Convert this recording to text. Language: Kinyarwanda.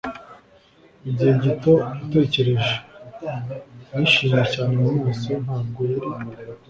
igihe gito utekereje. nishimye cyane mu maso. ntabwo yari